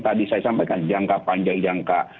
tadi saya sampaikan jangka panjang jangka